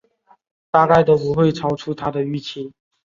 大概都不会超出他的预期